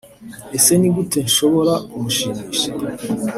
Ese ni gute nshobora kumushimisha